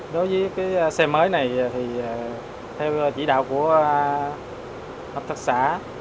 đối với cái xe mới này thì theo chỉ đạo của hợp tác xã